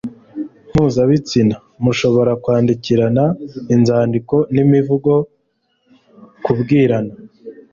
mpuzabitsina. mushobora kwandikirana inzandiko n'imivugo, kubwirana